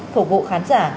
phục vụ khán giả